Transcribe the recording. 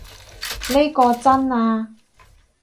呢個真啊